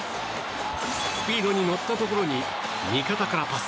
スピードに乗ったところに味方からパス！